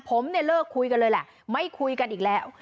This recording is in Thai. ผมเนี่ยเลิกคุยกันเลยแหละไม่คุยกันอีกแล้ว